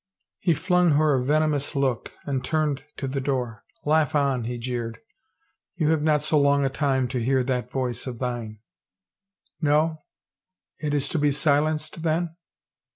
He flung her a venomous look and turned to the door. " Laugh on," he jeered. " You have not so long a time to hear that voice of thine 1 "" No ? It is to be silenced, then